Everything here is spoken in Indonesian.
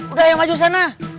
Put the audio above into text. udah yang maju sana